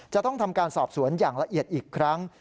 จะต้องทำการสอบสวนอย่างละเอียดอีกครั้ง